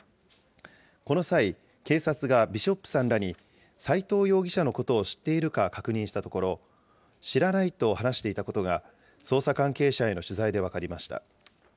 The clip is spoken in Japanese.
この際、警察がビショップさんらに斎藤容疑者のことを知っているか確認したところ、知らないと話していたことが、捜査関係者への取材で分かりました。